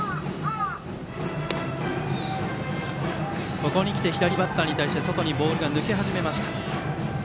ここに来て左バッターに対して外にボールが抜け始めました。